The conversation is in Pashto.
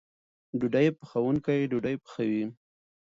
ډوډۍ پخوونکی ډوډۍ پخوي.